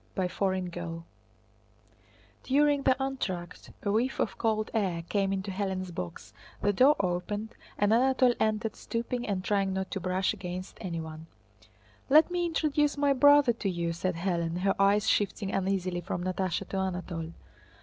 CHAPTER X During the entr'acte a whiff of cold air came into Hélène's box, the door opened, and Anatole entered, stooping and trying not to brush against anyone. "Let me introduce my brother to you," said Hélène, her eyes shifting uneasily from Natásha to Anatole.